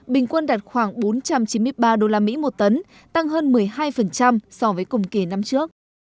bình quân đạt khoảng bốn trăm chín mươi ba đô la mỹ một tấn tăng hơn một mươi hai so với cùng kỳ năm trước